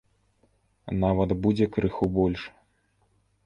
Нават будзе крыху больш.